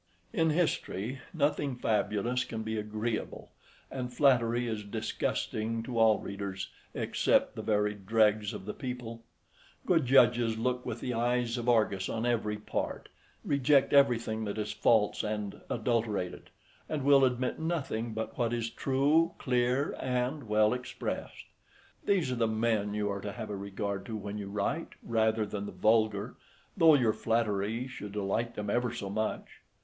In history, nothing fabulous can be agreeable; and flattery is disgusting to all readers, except the very dregs of the people; good judges look with the eyes of Argus on every part, reject everything that is false and adulterated, and will admit nothing but what is true, clear, and well expressed. These are the men you are to have a regard to when you write, rather than the vulgar, though your flattery should delight them ever so much.